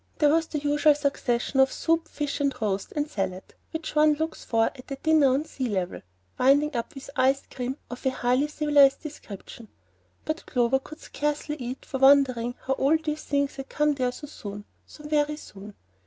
There was the usual succession of soup and fish and roast and salad which one looks for at a dinner on the sea level, winding up with ice cream of a highly civilized description, but Clover could scarcely eat for wondering how all these things had come there so soon, so very soon.